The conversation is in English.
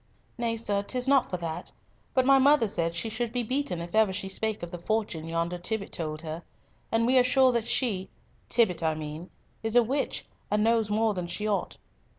"Nay, sir, 'tis not for that; but my mother said she should be beaten if ever she spake of the fortune yonder Tibbott told her, and we are sure that she—Tibbott I mean—is a witch, and knows more than she ought."